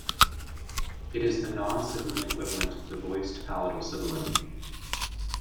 It is the non-sibilant equivalent of the voiced palatal sibilant.